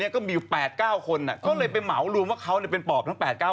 ก็บอกเขาไม่ได้เป็นปอบ